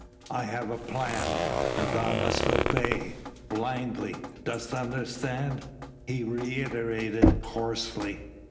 I have a plan ... and thou must obey ... blindly ... dost understand?" he reiterated hoarsely.